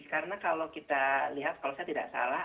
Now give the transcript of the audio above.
karena kalau kita lihat kalau saya tidak salah